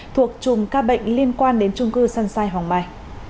thuộc chùm ca bệnh liên quan đến chung cư sunshine hòng mai